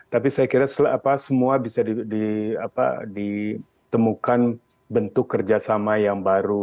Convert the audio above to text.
tapi saya kira semua bisa ditemukan bentuk kerjasama yang baru